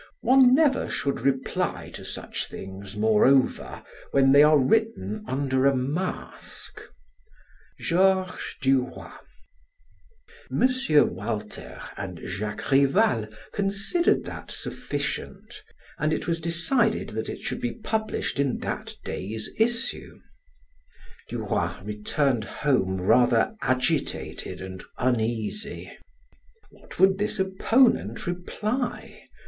One never should reply to such things, moreover, when they are written under a mask. GEORGES DUROY." M. Walter and Jacques Rival considered that sufficient, and it was decided that it should be published in that day's issue. Duroy returned home rather agitated and uneasy. What would this opponent reply?